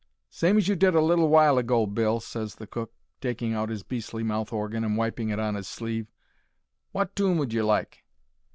"Same as you did a little while ago, Bill," ses the cook, taking out 'is beastly mouth orgin and wiping it on 'is sleeve. "Wot toon would you like?"